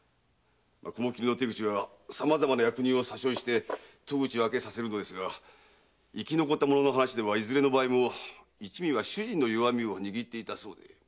雲切の手口はさまざまな役人を詐称して戸口を開けさせますが生き残った者の話ではいずれの場合も一味は主人の弱みを握っていたそうで。